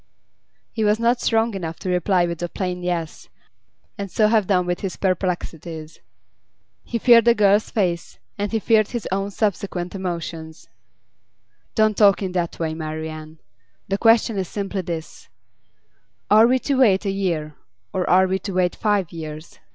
He was not strong enough to reply with a plain 'Yes,' and so have done with his perplexities. He feared the girl's face, and he feared his own subsequent emotions. 'Don't talk in that way, Marian. The question is simply this: Are we to wait a year, or are we to wait five years?